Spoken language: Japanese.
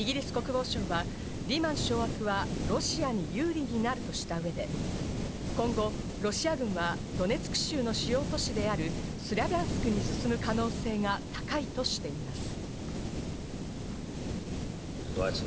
イギリス国防省は、リマン掌握はロシアに有利なるとした上で、今後ロシア軍がドネツク州の主要都市であるスラビャンスクに進む可能性が高いとしています。